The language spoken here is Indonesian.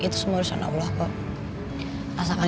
dia udah bersis lain lain kalkart abang